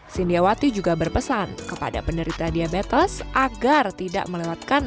sindiawati juga berpesan kepada penderita diabetes agar tidak melewatkan